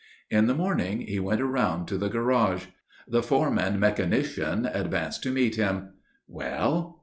In the morning he went round to the garage. The foreman mechanician advanced to meet him. "Well?"